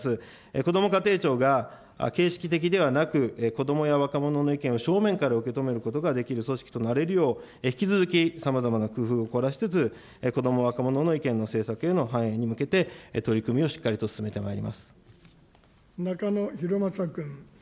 こども家庭庁が形式的ではなく、子どもや若者の意見を正面から受け止めることができる組織となれるよう、引き続きさまざまな工夫を凝らしつつ、子ども・若者の意見の政策への反映に向けて、取り組みをしっかり中野洋昌君。